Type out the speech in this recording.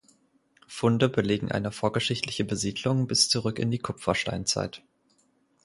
Funde belegen eine vorgeschichtliche Besiedlung bis zurück in die Kupfersteinzeit.